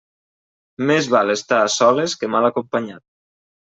Més val estar a soles que mal acompanyat.